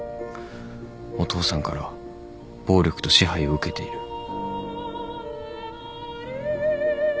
お父さんから暴力と支配を受けている。